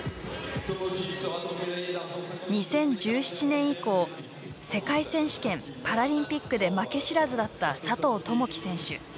２０１７年以降世界選手権、パラリンピックで負け知らずだった佐藤友祈選手。